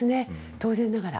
当然ながら。